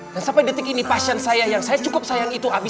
sampai detik ini pasien saya yang saya cukup sayang itu